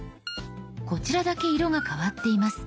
こちらだけ色が変わっています。